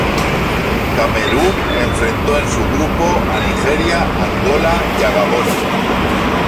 Camerún enfrentó en su grupo a Nigeria, a Angola y a Gabón.